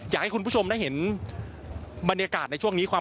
อยากให้คุณผู้ชมได้เห็นบรรยากาศในช่วงนี้ความ